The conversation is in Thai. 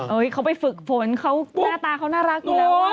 โอ้โฮเขาไปฝึกฝนน่ารักอีกแล้ว